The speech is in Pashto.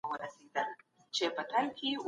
څېړونکی باید د ټولني په دردونو پوه وي.